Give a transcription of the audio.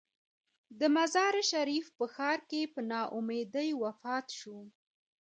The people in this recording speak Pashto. د مزار شریف په ښار کې په نا امیدۍ وفات شو.